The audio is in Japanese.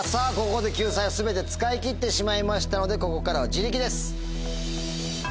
ここで救済を全て使い切ってしまいましたのでここからは自力です。